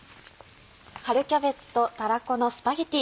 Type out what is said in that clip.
春キャベツとたらこのスパゲティ。